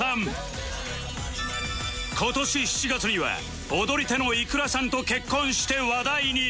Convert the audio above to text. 今年７月には踊り手のいくらさんと結婚して話題に